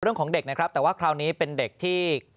เรื่องของเด็กนะครับแต่ว่าคราวนี้เป็นเด็กที่